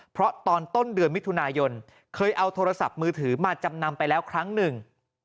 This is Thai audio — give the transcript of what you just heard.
เพราะตอนต้นเดือนมิถุนายนเคยเอาโทรศัพท์มือถือมาจำนำไปแล้วครั้งหนึ่ง